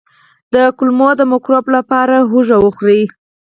د کولمو د مکروب لپاره هوږه وخورئ